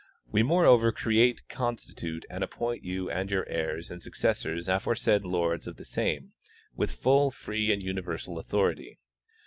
We moreover create, constitute and appoint you and your heirs and successors aforesaid loMs of the same, with full, free and universal authority.